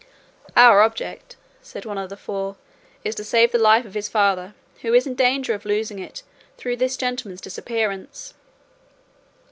"Our object," said one of the four, "is to save the life of his father, who is in danger of losing it through this gentleman's disappearance."